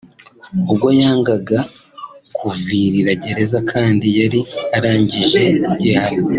ubwo yangaga kuvirira gereza kandi yari arangije igihano